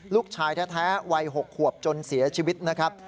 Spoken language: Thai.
ลูกชายแท้วัย๖ขวบจนเสียชีวิตนะครับ